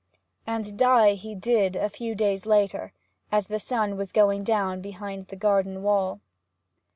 And die he did, a few days later, as the sun was going down behind the garden wall.